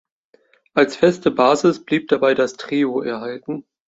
Als feste Basis blieb dabei das Trio erhalten.